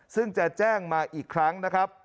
ซึ่งจะแจ้งมาอีกครั้งนะครับ